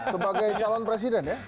sebagai calon presiden ya